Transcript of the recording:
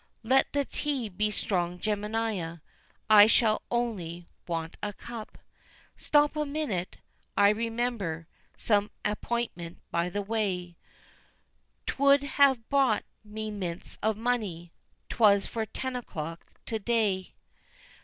Let the tea be strong, Jemima, I shall only want a cup! Stop a minute! I remember some appointment by the way, 'Twould have brought me mints of money; 'twas for ten o'clock to day.